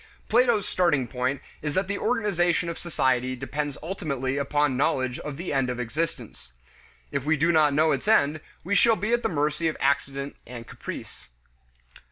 Plato's starting point is that the organization of society depends ultimately upon knowledge of the end of existence. If we do not know its end, we shall be at the mercy of accident and caprice.